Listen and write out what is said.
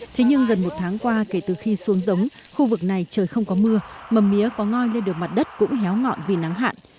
thế nhưng gần một tháng qua kể từ khi xuống giống khu vực này trời không có mưa mầm mía có ngòi lên đường mặt đất cũng héo ngọn vì nắng hạn